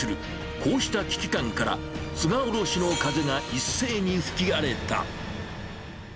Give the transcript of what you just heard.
こうした危機感から、菅おろしの風が一斉に吹き荒れた。